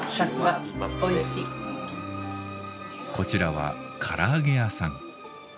こちらは唐揚げ屋さん。